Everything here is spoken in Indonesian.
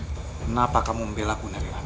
kenapa kamu membelaku nari rati